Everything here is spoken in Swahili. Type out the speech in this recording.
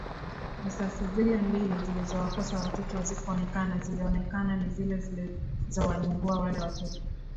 Risasi zile mbili zilizowakosa Watoto hazikuonekana zilizoonekana ni zile zilizowadungua wale Watoto